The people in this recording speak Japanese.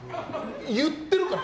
言っているから！